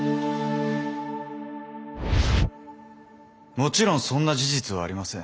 もちろんそんな事実はありません。